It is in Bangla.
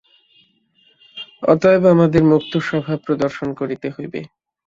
অতএব আমাদের মুক্ত-স্বভাব প্রদর্শন করিতে হইবে।